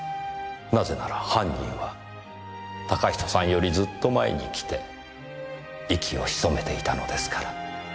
なぜなら犯人は嵩人さんよりずっと前に来て息を潜めていたのですから。